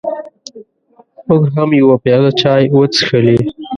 موږ هم یوه پیاله چای وڅښلې.